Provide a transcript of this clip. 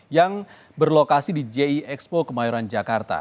yang berlokasi di ji expo kemayoran jakarta